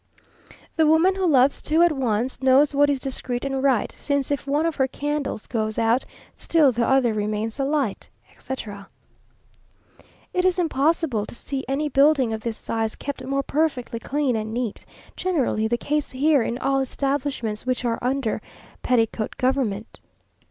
The woman who loves two at once, Knows what is discreet and right Since if one of her candles goes out, Still the other remains alight, etc.... It is impossible to see any building of this size kept more perfectly clean and neat; generally the case here in all establishments which are under petticoat government.